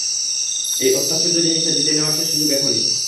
এই অত্যাশ্চর্য জিনিসটা জিতে নেয়ার শেষ সুযোগ এখনই।